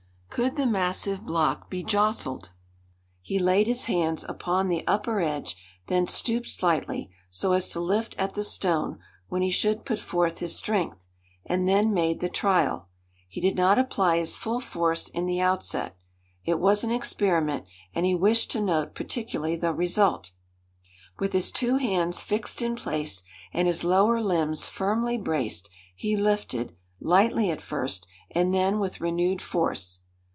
Could the massive block be jostled? He laid his hands upon the upper edge, then stooped slightly, so as to lift at the stone when he should put forth his strength, and then made the trial. He did not apply his full force in the outset. It was an experiment, and he wished to note particularly the result. With his two hands fixed in place, and his lower limbs firmly braced, he lifted, lightly at first, and then with renewed force.